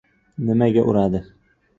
— Nimaga uradi?!